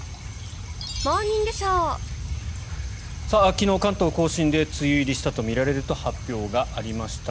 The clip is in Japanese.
昨日、関東・甲信で梅雨入りしたとみられる発表がありました。